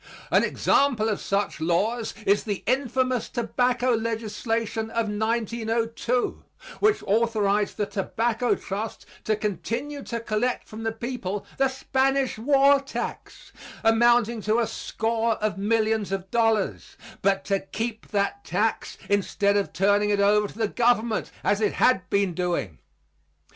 An example of such laws is the infamous tobacco legislation of 1902, which authorized the Tobacco Trust to continue to collect from the people the Spanish War tax, amounting to a score of millions of dollars, but to keep that tax instead of turning it over to the government, as it had been doing.